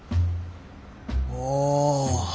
おお。